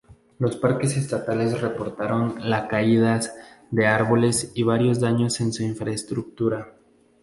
Los parques estatales reportaron la caídas de árboles y varios daños en su infraestructura.